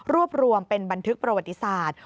รวมเป็นบันทึกประวัติศาสตร์